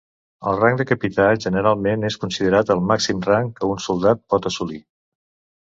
El rang de capità generalment és considerat el màxim rang que un soldat pot assolir.